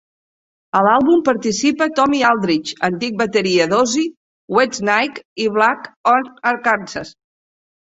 A l'àlbum participa Tommy Aldridge, antic bateria d'Ozzy, Whitesnake i Black Oak Arkansas.